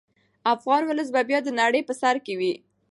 افغان ولس به بیا د نړۍ په سر کې وي.